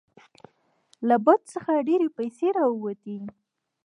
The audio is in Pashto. له بت څخه ډیرې پیسې راوتې.